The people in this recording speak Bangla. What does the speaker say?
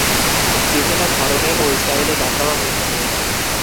বিভিন্ন ধরনে ও স্টাইলের গান গাওয়া হয়ে থাকে।